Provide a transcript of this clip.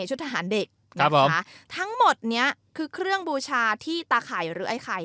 ชุดทหารเด็กนะคะทั้งหมดเนี้ยคือเครื่องบูชาที่ตาไข่หรือไอ้ไข่